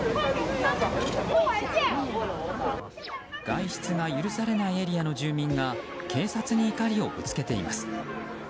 外出が許されないエリアの住民が警察に怒りをぶつけています。